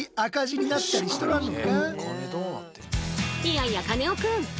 いやいやカネオくん！